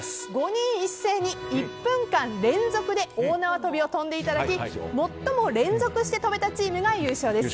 ５人一斉に１分間連続で大縄跳びを跳んでいただき最も連続で跳べたチームが優勝です。